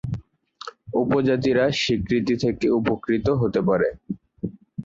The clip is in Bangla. উপজাতিরা স্বীকৃতি থেকে উপকৃত হতে পারে।